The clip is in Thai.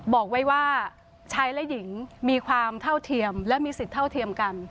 บอกไว้ว่าชายและหญิงมีความเท่าเทียมและมีสิทธิ์เท่าเทียมกัน